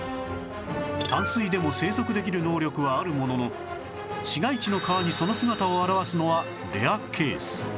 淡水でも生息できる能力はあるものの市街地の川にその姿を現すのはレアケース